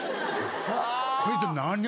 こいつ何を。